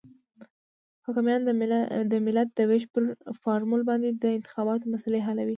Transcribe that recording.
حاکمیان د ملت د وېش پر فارمول باندې د انتخاباتو مسلې حلوي.